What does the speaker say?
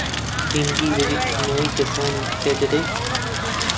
گرنگی بە بیرکردنەوەی کەسانی دیکە دەدەیت؟